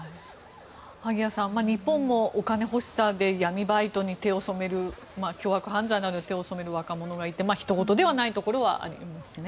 萩谷さん日本もお金欲しさで闇バイトに手を染める凶悪犯罪などに手を染める若者がいてひと事ではないところはありますね。